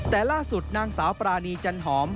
แต่ล่าสุดนางสาวปรานีจันหอม